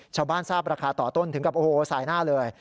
ชาวบ้านทราบราคาต่อต้นถึงกับสายหน้าเลย